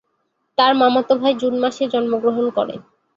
তার মামাতো ভাই জুন মাসে জন্মগ্রহণ করে।